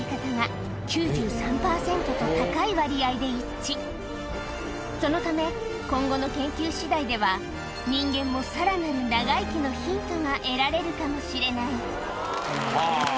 実はそのため今後の研究次第では人間もさらなる長生きのヒントが得られるかもしれないはぁ。